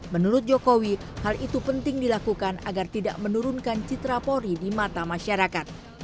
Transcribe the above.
menurut jokowi hal itu penting dilakukan agar tidak menurunkan citra polri di mata masyarakat